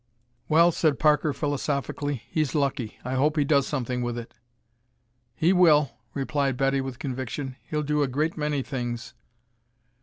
"Well," said Parker philosophically, "he's lucky. I hope he does something with it." "He will," replied Betty, with conviction. "He'll do a great many things!"